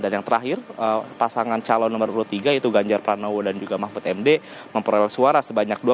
dan yang terakhir pasangan calon nomor urut tiga itu ganjar pranowo dan juga mahmud md memperoleh suara sebanyak dua puluh empat ratus empat delapan ratus sepuluh